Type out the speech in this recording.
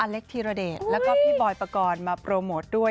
เล็กธีรเดชแล้วก็พี่บอยปกรณ์มาโปรโมทด้วย